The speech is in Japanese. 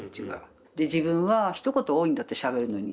で自分はひと言多いんだってしゃべるのに。